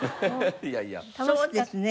そうですね。